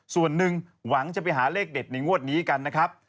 ส่วนหนึ่งหวังจะไปหาเลขเด็ดในงวดนี้กันนะครับ